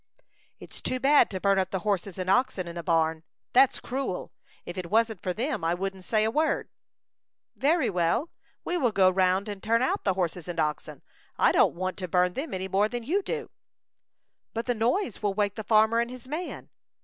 "It's too bad to burn up the horses and oxen in the barn. That's cruel. If it wasn't for them, I wouldn't say a word." "Very well; we will go round and turn out the horses and oxen. I don't want to burn them any more than you do." "But the noise will wake the farmer and his man."